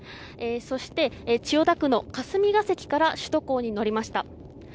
そして、千代田区の霞が関から首都高に乗りました。